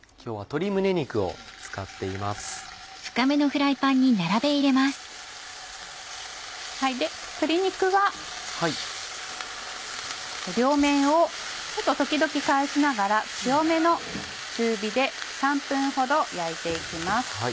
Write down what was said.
鶏肉は両面を時々返しながら強めの中火で３分ほど焼いて行きます。